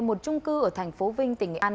một trung cư ở thành phố vinh tỉnh nghệ an